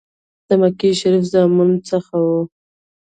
د مکې شریف زامنو څخه وو.